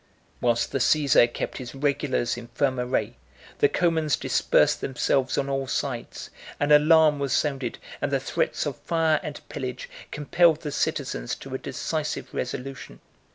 Whilst the Cæsar kept his regulars in firm array, the Comans dispersed themselves on all sides; an alarm was sounded, and the threats of fire and pillage compelled the citizens to a decisive resolution.